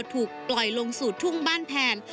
ถูกปล่อยลงสู่ทุ่งบ้านแพน